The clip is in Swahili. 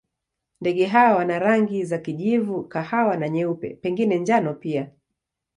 Ndege hawa wana rangi za kijivu, kahawa na nyeupe, pengine njano pia.